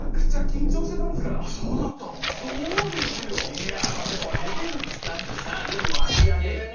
いやまあでも俺出てるっつったってさ全部脇役でね。